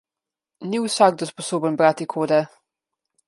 Ni vsakdo sposoben brati kode.